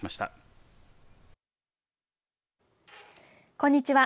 こんにちは。